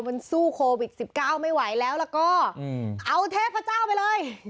มันสู้โควิด๑๙ไม่ไหวแล้วแล้วก็เอาเทพเจ้าไปเลย